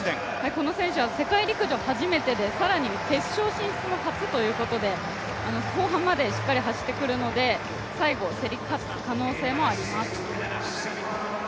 この選手は世界陸上初めてで、更に決勝進出も初ということで後半までしっかり走ってくるので最後競り勝つ可能性もあります。